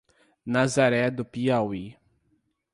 Nazaré do Piauí